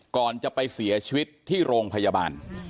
ก่อนจะไปเสียชีวิตที่โรงพยาบาล